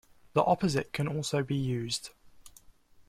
The opposite can also be used.